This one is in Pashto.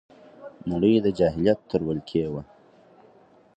نړۍ د جاهلیت تر ولکې وه